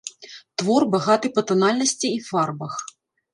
Твор багаты па танальнасці і фарбах.